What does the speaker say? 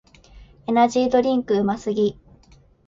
エナジードリンクうますぎ